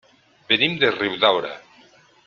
Venim de Riudaura.